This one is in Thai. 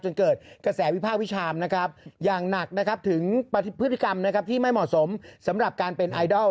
จนเกิดกระแสวิภาควิชามนะครับอย่างหนักนะครับถึงพฤติกรรมนะครับที่ไม่เหมาะสมสำหรับการเป็นไอดอล